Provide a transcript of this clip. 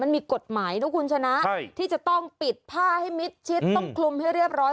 มันมีกฎหมายนะคุณชนะที่จะต้องปิดผ้าให้มิดชิดต้องคลุมให้เรียบร้อย